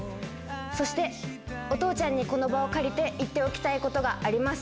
そして、お父ちゃんにこの場を借りて言っておきたいことがあります。